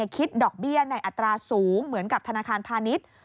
คิดดอกเบี้ยในอัตราสูงเหมือนกับธนาคารพาณิชย์